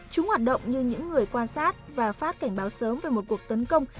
chúng hoạt động như những người quan sát và phát cảnh báo sớm về một cuộc tấn công